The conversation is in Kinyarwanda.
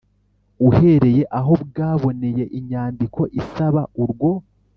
uhereye aho bwaboneye inyandiko isaba urwo